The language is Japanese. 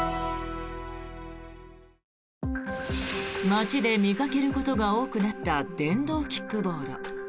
街で見かけることが多くなった電動キックボード。